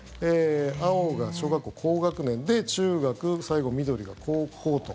青が小学校高学年で、中学最後、緑が高校と。